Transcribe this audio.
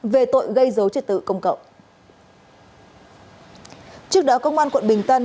về tội gây dấu triệt tử công cậu